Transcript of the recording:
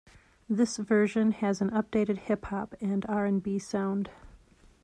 This version has an updated hip hop and R and B sound.